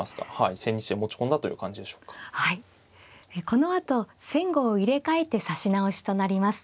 このあと先後を入れ替えて指し直しとなります。